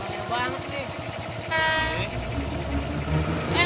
wah bangga banget nih